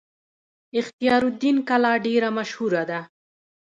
اختیار الدین کلا ډیره مشهوره ده